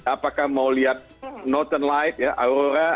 apakah mau lihat northern lights ya aurora